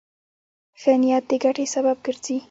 ښه نیت د ګټې سبب ګرځي.